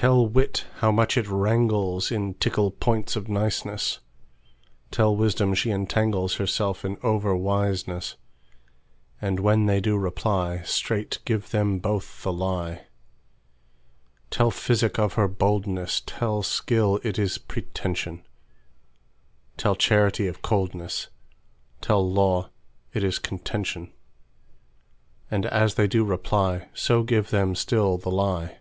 Tell wit how much it wranglesIn tickle points of niceness; Tell wisdom she entanglesHerself in over wiseness:And when they do reply, Straight give them both the lie. Tell physic of her boldness; Tell skill it is pretension; Tell charity of coldness; Tell law it is contention:And as they do reply, So give them still the lie.